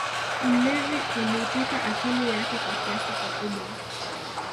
Ulevi uliiteka akili yake kwa kiasi kikubwa